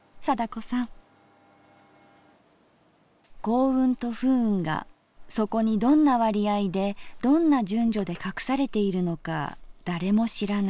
「幸運と不運がそこにどんな割合でどんな順序でかくされているのか誰も知らない。